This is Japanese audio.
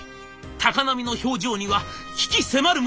高波の表情には鬼気迫るものが。